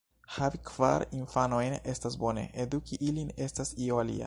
Havi kvar infanojn estas bone; eduki ilin estas io alia.